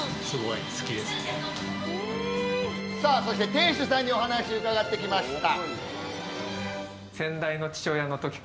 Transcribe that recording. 店主さんにお話を伺ってきました。